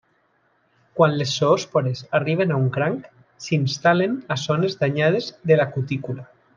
Quan les zoòspores arriben a un cranc, s'instal·len a zones danyades de la cutícula.